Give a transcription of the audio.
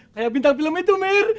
kayak bintang film itu mir